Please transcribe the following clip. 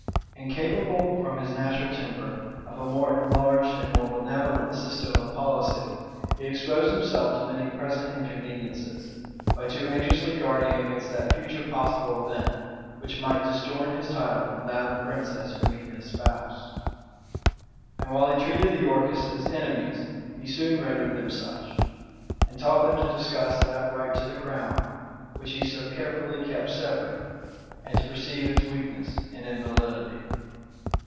Incapable from his natural temper of a more enlarged and more benevolent system of policy, he exposed himself to many present inconveniences, by too anxiously guarding against that future possible event, which might disjoin his title from that of the princess whom he espoused. And while he treated the Yorkists as enemies, he soon rendered them such, and taught them to discuss that right to the crown, which he so carefully kept separate, and to perceive its weakness and invalidity.